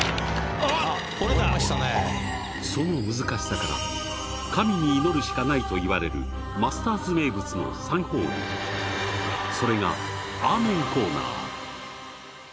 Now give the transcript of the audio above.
その難しさから神に祈るしかないと言われるマスターズ名物の３ホールそれがアーメンコーナー。